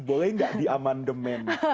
boleh nggak di amandemen